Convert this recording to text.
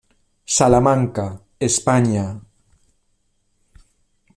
Salamanca, España.